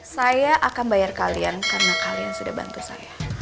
saya akan bayar kalian karena kalian sudah bantu saya